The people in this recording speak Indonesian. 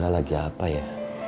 bella lagi apa ya